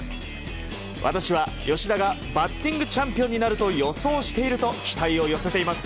私は吉田がバッティングチャンピオンになると予想していると期待を寄せています。